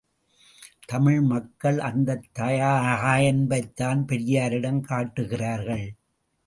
தமிழ் மக்கள் அந்தத் தாயன்பைத்தான் பெரியாரிடம் காட்டுகிறார்கள்.